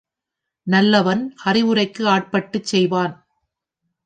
நல்லவன் அறிவுரைக்கு ஆட்பட்டுச் செய்வான்.